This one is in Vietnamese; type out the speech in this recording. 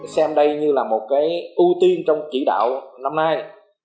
xem đây như là một cái ưu tiên trong chỉ đạo năm nay